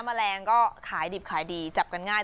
แมลงก็ขายดิบขายดีจับกันง่าย